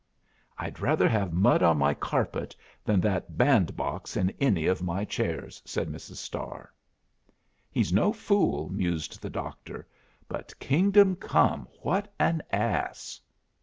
"I'd rather have mud on my carpet than that bandbox in any of my chairs," said Mrs. Starr. "He's no fool," mused the Doctor. "But, kingdom come, what an ass!"